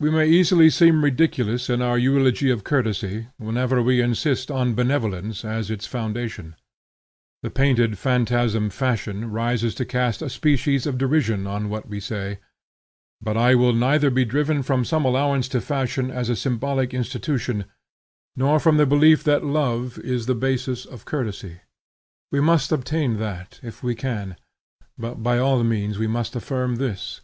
We may easily seem ridiculous in our eulogy of courtesy, whenever we insist on benevolence as its foundation. The painted phantasm Fashion rises to cast a species of derision on what we say. But I will neither be driven from some allowance to Fashion as a symbolic institution, nor from the belief that love is the basis of courtesy. We must obtain that, if we can; but by all means we must affirm this.